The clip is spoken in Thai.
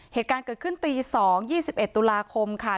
เหตุการณ์เกิดขึ้นตี๒ยี่สิบเอ็ดตุลาคมค่ะ